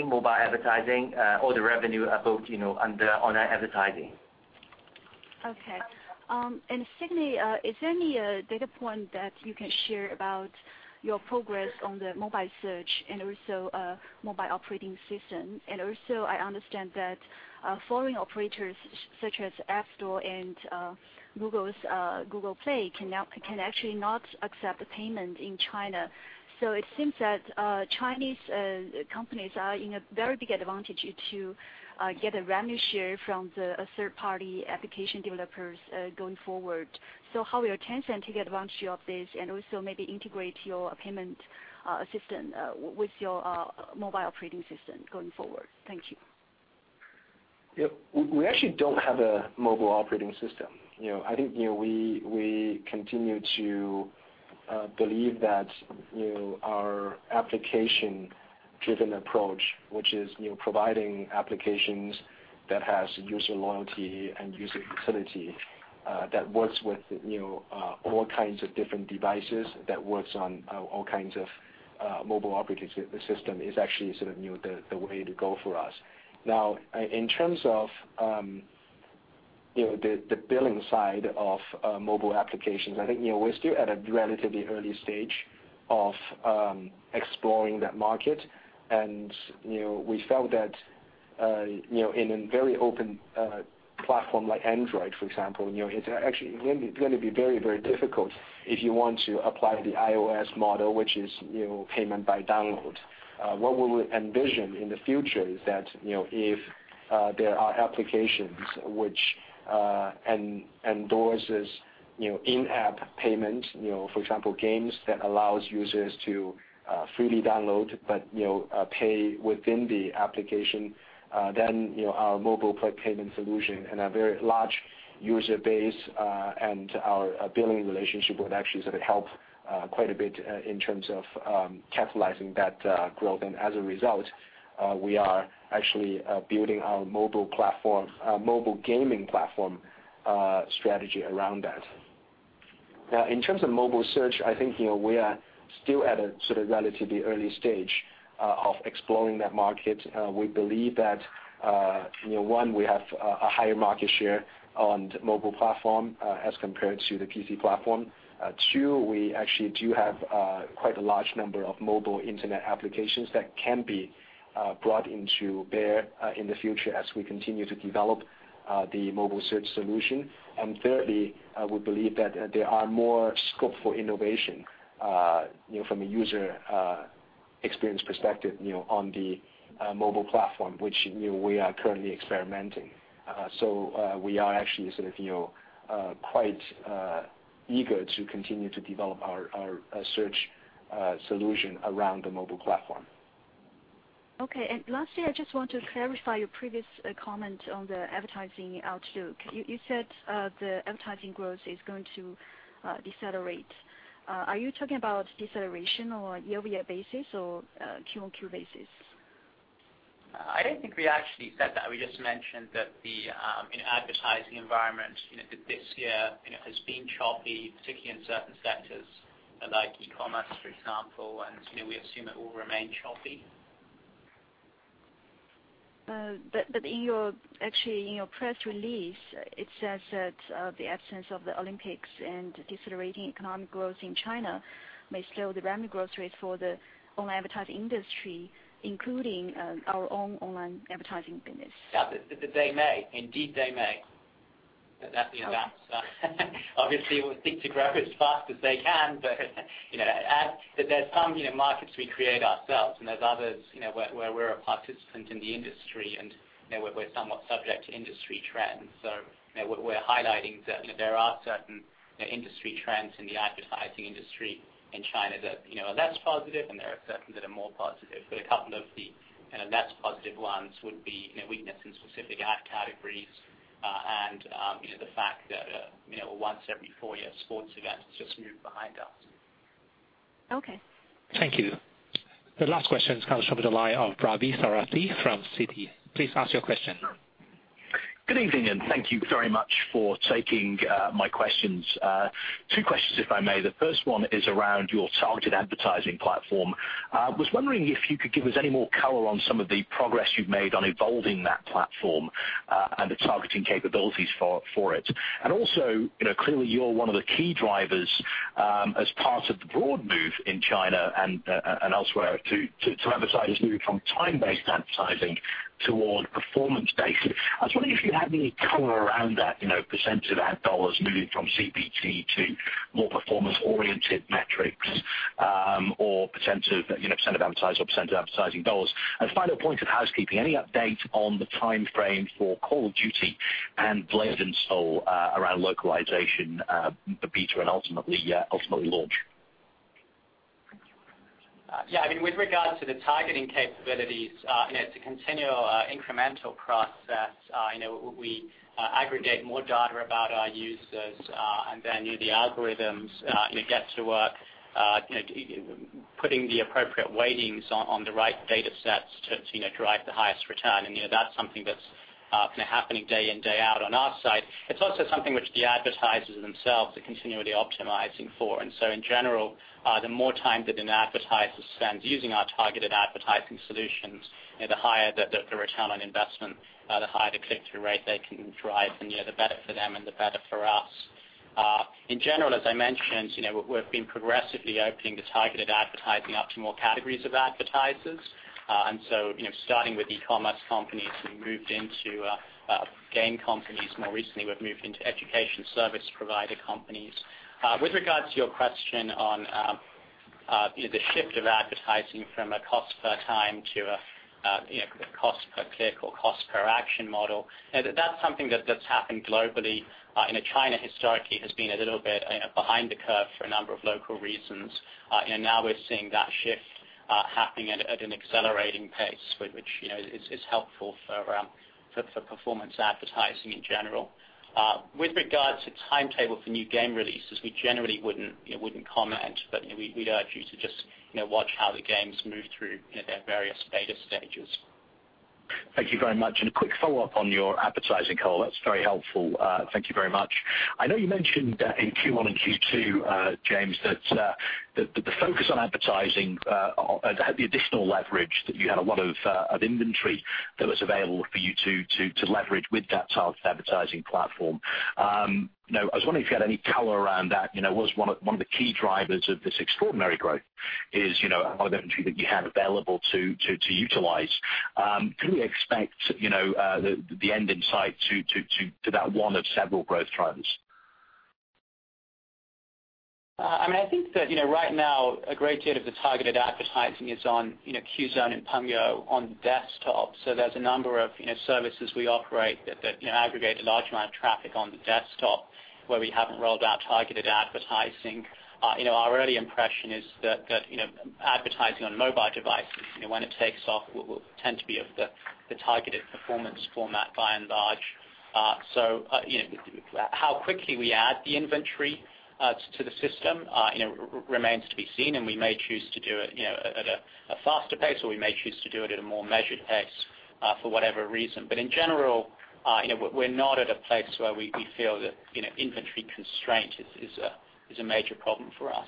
mobile advertising, all the revenue are booked under online advertising. Okay. Sidney, is there any data point that you can share about your progress on the mobile search and also mobile operating system? Also, I understand that foreign operators such as App Store and Google Play can actually not accept the payment in China. It seems that Chinese companies are in a very big advantage to get a revenue share from the third-party application developers going forward. How will Tencent take advantage of this and also maybe integrate your payment system with your mobile operating system going forward? Thank you. We actually don't have a mobile operating system. I think we continue to believe that our application-driven approach, which is providing applications that has user loyalty and user facility, that works with all kinds of different devices, that works on all kinds of mobile operating system, is actually sort of the way to go for us. In terms of the billing side of mobile applications, I think we're still at a relatively early stage of exploring that market. We felt that in a very open platform like Android, for example, it's actually going to be very difficult if you want to apply the iOS model, which is payment by download. What we would envision in the future is that if there are applications which endorses in-app payment, for example, games that allows users to freely download, but pay within the application, then our mobile payment solution and our very large user base, and our billing relationship would actually sort of help quite a bit in terms of capitalizing that growth. As a result, we are actually building our mobile gaming platform strategy around that. In terms of mobile search, I think we are still at a sort of relatively early stage of exploring that market. We believe that, one, we have a higher market share on mobile platform as compared to the PC platform. Two, we actually do have quite a large number of mobile internet applications that can be brought to bear in the future as we continue to develop the mobile search solution. Thirdly, we believe that there are more scope for innovation from a user perspective. Experience perspective on the mobile platform, which we are currently experimenting. We are actually sort of quite eager to continue to develop our search solution around the mobile platform. Lastly, I just want to clarify your previous comment on the advertising outlook. You said the advertising growth is going to decelerate. Are you talking about deceleration on a year-over-year basis or Q-on-Q basis? I don't think we actually said that. We just mentioned that the advertising environment this year has been choppy, particularly in certain sectors like e-commerce, for example. We assume it will remain choppy. Actually, in your press release, it says that the absence of the Olympics and decelerating economic growth in China may slow the revenue growth rates for the online advertising industry, including our own online advertising business. Yeah. They may. Indeed, they may. That's the announcement. Obviously, we would think to grow as fast as they can, there's some markets we create ourselves, and there's others where we're a participant in the industry, and we're somewhat subject to industry trends. We're highlighting that there are certain industry trends in the advertising industry in China that are less positive, and there are certain that are more positive. A couple of the less positive ones would be weakness in specific ad categories and the fact that a once every four-year sports event has just moved behind us. Okay. Thank you. The last question comes from the line of Ravi Sarathy from Citi. Please ask your question. Good evening, thank you very much for taking my questions. Two questions, if I may. The first one is around your targeted advertising platform. I was wondering if you could give us any more color on some of the progress you've made on evolving that platform, and the targeting capabilities for it. Also, clearly you're one of the key drivers as part of the broad move in China and elsewhere to advertisers moving from time-based advertising toward performance-based. I was wondering if you had any color around that, % of ad dollars moving from CPT to more performance-oriented metrics or % of advertising dollars. Final point of housekeeping, any update on the timeframe for Call of Duty and Blade & Soul around localization, the beta, and ultimately launch? With regards to the targeting capabilities, it's a continual incremental process. We aggregate more data about our users, and then the algorithms get to putting the appropriate weightings on the right data sets to drive the highest return. That's something that's happening day in, day out on our side. It's also something which the advertisers themselves are continually optimizing for. In general, the more time that an advertiser spends using our targeted advertising solutions, the higher the return on investment, the higher the click-through rate they can drive, and the better for them and the better for us. In general, as I mentioned, we've been progressively opening the targeted advertising up to more categories of advertisers. Starting with e-commerce companies, we moved into game companies. More recently, we've moved into education service provider companies. With regards to your question on the shift of advertising from a cost per time to a cost per click or cost per action model, that's something that's happened globally. China historically has been a little bit behind the curve for a number of local reasons. Now we're seeing that shift happening at an accelerating pace, which is helpful for performance advertising in general. With regards to timetable for new game releases, we generally wouldn't comment, but we'd urge you to just watch how the games move through their various beta stages. Thank you very much. A quick follow-up on your advertising call. That's very helpful. Thank you very much. I know you mentioned in Q1 and Q2, James, that the focus on advertising had the additional leverage, that you had a lot of inventory that was available for you to leverage with that targeted advertising platform. I was wondering if you had any color around that. Was one of the key drivers of this extraordinary growth is inventory that you had available to utilize? Can we expect the end in sight to that one of several growth drivers? I think that right now a great deal of the targeted advertising is on Qzone and Pengyou on desktop. There's a number of services we operate that aggregate a large amount of traffic on the desktop where we haven't rolled out targeted advertising. Our early impression is that advertising on mobile devices, when it takes off, will tend to be of the targeted performance format by and large. How quickly we add the inventory to the system remains to be seen, we may choose to do it at a faster pace, or we may choose to do it at a more measured pace for whatever reason. In general, we're not at a place where we feel that inventory constraint is a major problem for us.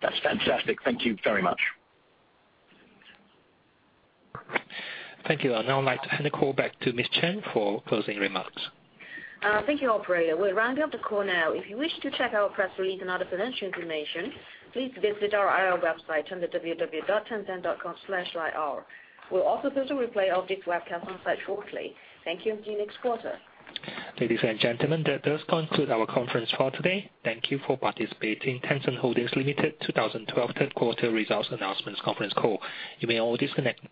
That's fantastic. Thank you very much. Thank you. I'd now like to hand the call back to Miss Chen for closing remarks. Thank you, operator. We're rounding up the call now. If you wish to check our press release and other financial information, please visit our IR website on the www.tencent.com/ir. We'll also post a replay of this webcast on site shortly. Thank you, and see you next quarter. Ladies and gentlemen, that does conclude our conference for today. Thank you for participating. Tencent Holdings Limited 2012 third quarter results announcements conference call. You may all disconnect.